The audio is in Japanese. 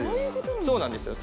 そうなんですよ。